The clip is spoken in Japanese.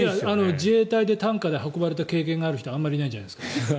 自衛隊で担架で運ばれた経験がある人はあまりいないんじゃないですか？